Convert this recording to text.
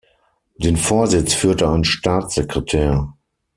Den Vorsitz führte ein Staatssekretär.